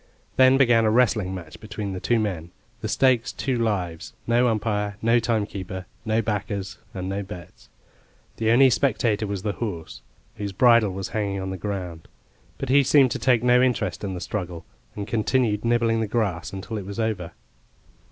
Then began a wrestling match between the two men, the stakes two lives, no umpire, no timekeeper, no backers, and no bets. The only spectator was the horse, whose bridle was hanging on the ground. But he seemed to take no interest in the struggle, and continued nibbling the grass until it was over.